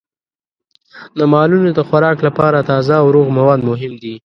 د مالونو د خوراک لپاره تازه او روغ مواد مهم دي.